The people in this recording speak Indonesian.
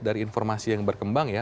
dari informasi yang berkembang ya